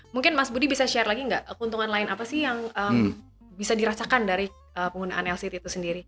mungkin mas budi bisa share lagi nggak keuntungan lain apa sih yang bisa dirasakan dari penggunaan lct itu sendiri